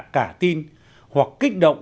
cả tin hoặc kích động